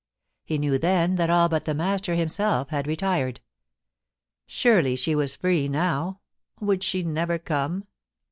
He knew then that all but the master himself had retired Surely she was free now. Would she never come